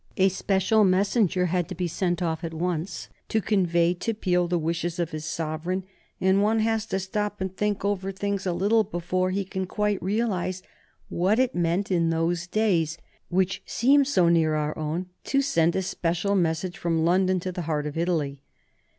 A special messenger had to be sent off at once to convey to Peel the wishes of his sovereign, and one has to stop and think over things a little before he can quite realize what it meant in those days, which seem so near our own, to send a special message from London to the heart of Italy.